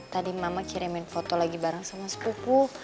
tadi mama kirimin foto lagi bareng sama sepupu